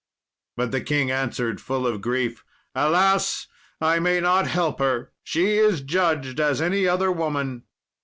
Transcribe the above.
But King Arthur answered, full of grief, "Alas! I may not help her; she is judged as any other woman."